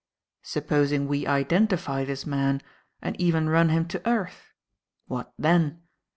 Supposing we identify this man and even run him to earth? What then?